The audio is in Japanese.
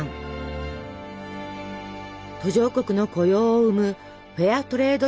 途上国の雇用を生むフェアトレード